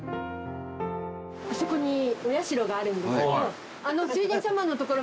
あそこにお社があるんですけどあの。